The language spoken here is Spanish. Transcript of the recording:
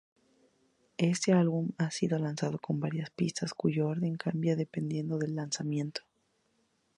Este álbum ha sido lanzado con varias pistas, cuyo orden cambia dependiendo del lanzamiento.